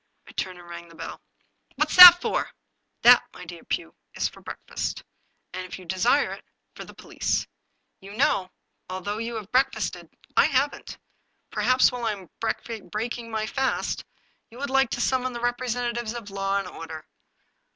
I turned and rang the bell. " What's that for? "" That, my dear Pugh, is for breakfast, and, if you desire it, for the police. You know, although you have break fasted, I haven't. Perhaps while I am breaking my fast, you would like to summon the representatives of law and order."